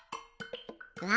うわ！